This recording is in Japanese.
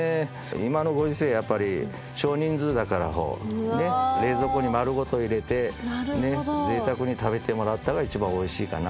今のご時世、やっぱり少人数だから、冷蔵庫に丸ごと入れて、ぜいたくに食べてもらったら一番おいしいかな